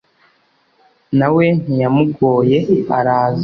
nawe ntiyamugoye araza